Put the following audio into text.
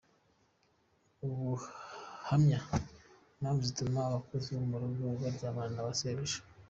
Ubuhamya: Impamvu zituma abakozi bo mu rugo baryamana na ba Shebuja.